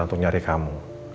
untuk nyari kamu